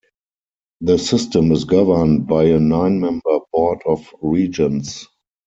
The System is governed by a nine-member Board of Regents.